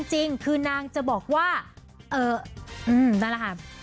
จริงคือนางจะบอกว่าเออนั่นแหละค่ะ